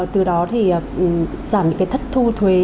từ đó thì giảm những cái thất thu thuế